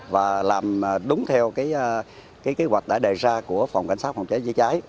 và làm đúng theo kế hoạch đã đề ra của phòng cảnh sát phòng cháy chữa cháy